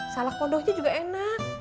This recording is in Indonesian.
salak kodohnya juga enak